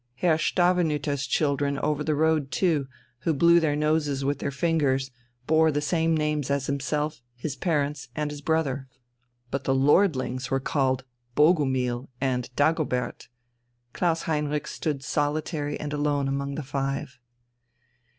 Herr Stavenüter's children over the road too, who blew their noses with their fingers, bore the same names as himself, his parents, and his brother. But the lordlings were called Bogumil and Dagobert Klaus Heinrich stood solitary and alone among the five.